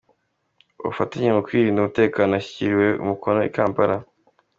ubufatanye mu kwirindira umutekano yashyiriweho umukono i Kampala,